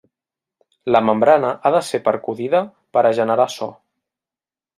La membrana ha de ser percudida per a generar so.